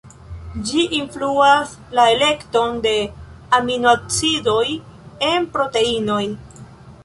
Ĝi influas la elekton de aminoacidoj en proteinoj.